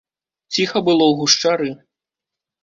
Ціха было ў гушчары.